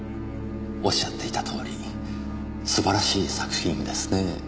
おっしゃっていたとおりすばらしい作品ですね。